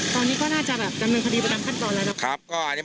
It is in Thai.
ตอนนี้ก็น่าจะแบบดำเนินคดีไปตามขั้นตอนแล้วนะครับ